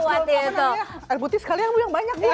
air putih sekali ya yang banyak dia